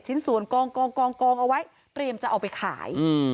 ชิ้นส่วนกองกองเอาไว้เตรียมจะเอาไปขาย